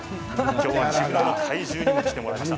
今日は黄ぶなの怪獣にも来てもらいました。